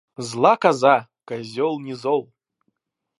Зла коза, козёл не зол!